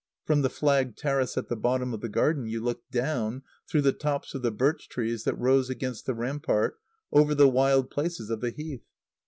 From the flagged terrace at the bottom of the garden you looked down, through the tops of the birch trees that rose against the rampart, over the wild places of the Heath.